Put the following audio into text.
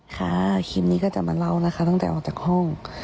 ค่ะคลิปนี้ก็จะมาเล่านะคะตั้งแต่ออกจากห้อง